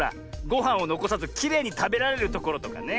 ごはんをのこさずきれいにたべられるところとかね。